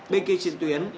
bên kia trên tuyến